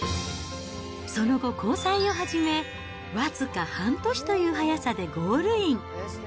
その後、交際を始め、僅か半年という早さでゴールイン。